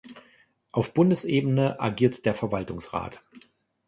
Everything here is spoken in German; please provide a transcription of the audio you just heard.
Auf Bundesebene agiert der Verwaltungsrat.